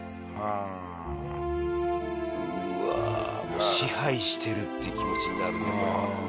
もう支配してるって気持ちになるなこれ。